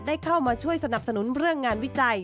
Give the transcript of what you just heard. ได้เข้ามาช่วยสนับสนุนเรื่องงานวิจัย